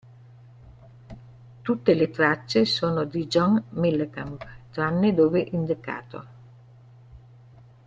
Tutte le tracce sono di John Mellencamp tranne dove indicato.